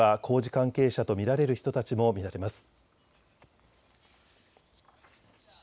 周りには工事関係者と見られる人たちも見かけます。